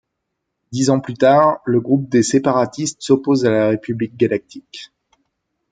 Dix ans plus tard, le groupe des Séparatistes s'oppose à la République galactique.